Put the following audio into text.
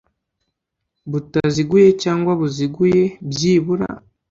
butaziguye cyangwa buziguye byibura